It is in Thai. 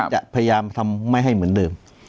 จะพยายามทำไม่ให้เหมือนเดิม